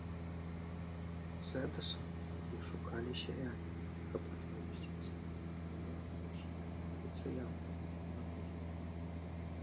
Сэдаса тады шукалі сяляне, каб адпомсціцца, бо ён на ўсіх паліцыянтаў наводзіў.